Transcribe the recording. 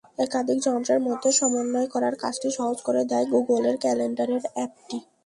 একাধিক যন্ত্রের মধ্যে সমন্বয় করার কাজটি সহজ করে দেয় গুগলের ক্যালেন্ডার অ্যাপটি।